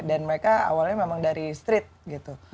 dan mereka awalnya memang dari street gitu